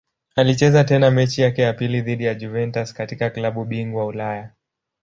Alicheza tena mechi yake ya pili dhidi ya Juventus katika klabu bingwa Ulaya.